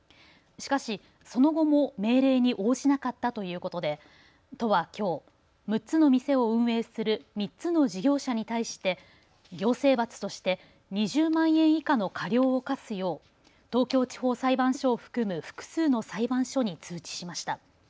しかし、その後も命令に応じなかったということで都はきょう、６つの店を運営する３つの事業者に対して行政罰として２０万円以下の過料を科すよう東京地方裁判所を含む複数の裁判所に通知しました。